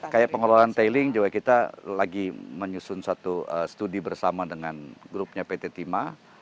kayak pengelolaan tailing juga kita lagi menyusun satu studi bersama dengan grupnya pt timah